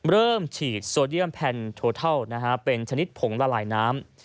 เริ่มฉีดโซเดียมแพนโทเทิลเป็นชนิดผงละลายน้ำ